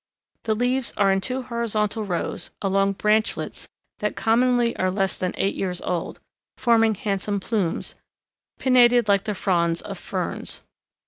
The leaves are in two horizontal rows, along branchlets that commonly are less than eight years old, forming handsome plumes, pinnated like the fronds of ferns.